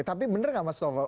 tapi bener gak mas toko